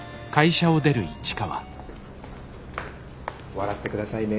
笑って下さいね。